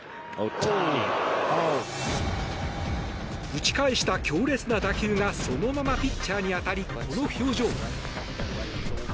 打ち返した強烈な打球がそのままピッチャーに当たりこの表情。